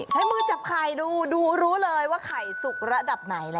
ใช้มือจับไข่ดูดูรู้เลยว่าไข่สุกระดับไหนล่ะ